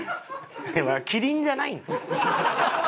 キリンじゃない。